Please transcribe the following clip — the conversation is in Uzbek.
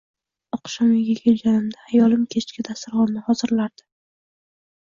“Oqshom uyga kelganimda ayolim kechki dasturxonni hozirlardi